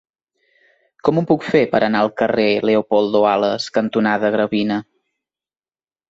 Com ho puc fer per anar al carrer Leopoldo Alas cantonada Gravina?